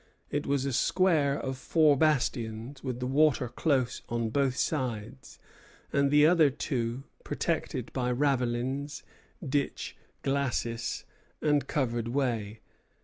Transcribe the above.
It was a square of four bastions, with the water close on two sides, and the other two protected by ravelins, ditch, glacis, and covered way.